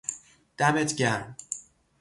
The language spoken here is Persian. دمت گرم